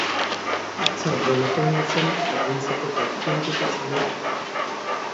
আচ্ছা বলো তো হ্যানসেন, এজেন্সিতে কতদিন টিকেছিলে?